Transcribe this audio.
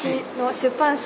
出版社？